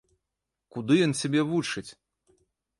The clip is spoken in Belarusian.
Куды ён цябе вучыць?